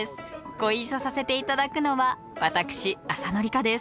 ご一緒させて頂くのは私浅野里香です。